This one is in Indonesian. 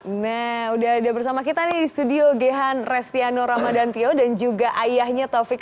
hai nah udah ada bersama kita nih studio gehan restiano ramadhan tio dan juga ayahnya taufik